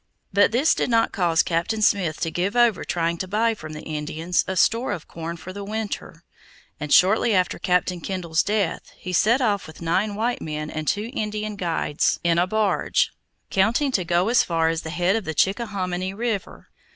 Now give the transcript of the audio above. But this did not cause Captain Smith to give over trying to buy from the Indians a store of corn for the winter, and shortly after Captain Kendall's death, he set off with nine white men and two Indian guides in a barge, counting to go as far as the head of the Chickahominy River.